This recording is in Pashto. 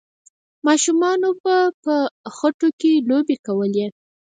ماشومانو به په خټو کې لوبې کولې.